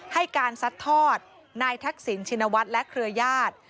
ให้การซัดทอดนายทักษิณชินวัฒน์และเครือญาติ